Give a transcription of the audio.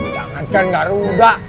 jangan kan garuda